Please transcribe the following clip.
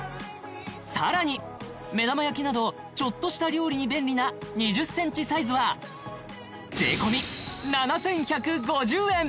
さらに目玉焼きなどちょっとした料理に便利な２０ｃｍサイズは税込７１５０円